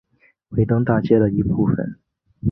维登大街的一部分。